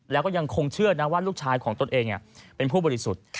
แล้วก็ยังคงเชื่อนะว่าลูกชายของตนเองเป็นผู้บริสุทธิ์